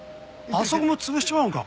あそこも潰しちまうんか？